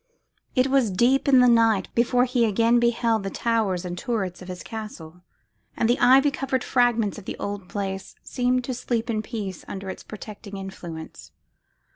It was deep in the night before he again beheld the towers and turrets of his castle, and the ivy covered fragment of the old Place seemed to sleep in peace under its protecting influence.